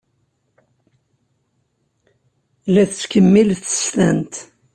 La tettkemmil tsestant.